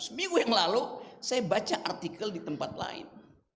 seminggu yang lalu saya baca artikel di tempat lain